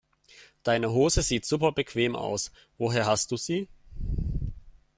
Deine Hose sieht super bequem aus, woher hast du sie?